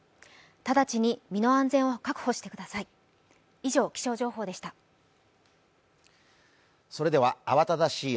直ちに身の安全を確保してください。